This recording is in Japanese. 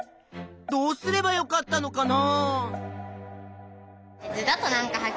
どうすればよかったのかな？